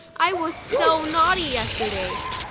I was so naughty, yesterday.